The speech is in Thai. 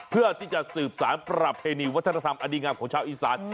เพื่อที่จะสืบสารประเพณีวัฒนธรรมอดีงามของชาวอีสาน